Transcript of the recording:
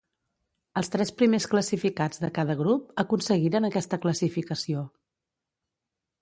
Els tres primers classificats de cada grup aconseguiren aquesta classificació.